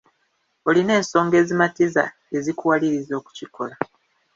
Olina ensonga ezimatiza ezikuwaliriza okukikola.